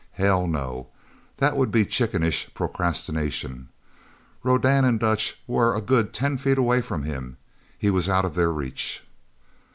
Hell no that would be chickenish procrastination. Rodan and Dutch were a good ten feet away from him he was out of their reach.